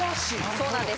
そうなんです